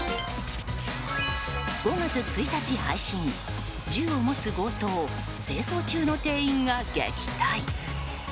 ５月１日配信銃を持つ強盗清掃中の店員が撃退。